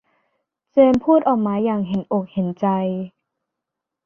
เจนพูดออกมาอย่างเห็นอกเห็นใจ